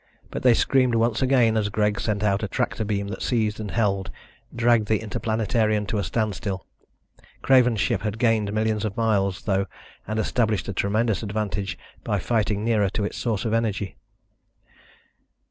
But they screamed once again as Greg sent out a tractor beam that seized and held, dragged the Interplanetarian to a standstill. Craven's ship had gained millions of miles, though, and established a tremendous advantage by fighting nearer to its source of energy.